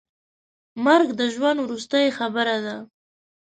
مرګ د ژوند وروستۍ خبره ده.